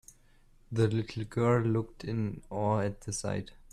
The little girl looked in awe at the sight.